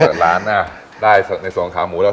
ก็เลยเปิดร้านอ่ะได้ในส่วนขาหมูแล้ว